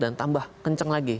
dan kemudian akan kencang lagi